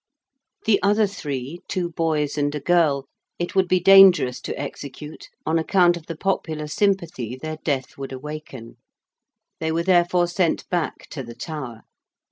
The other three, two boys and a girl, it would be dangerous to execute on account of the popular sympathy their death would awaken. They were therefore sent back to the Tower.